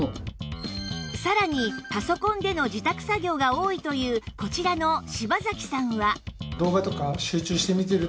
さらにパソコンでの自宅作業が多いというこちらの芝崎さんは